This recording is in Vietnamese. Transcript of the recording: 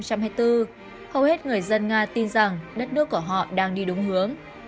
hầu hết người dân nga tin rằng đất nước của họ đang đi đúng hướng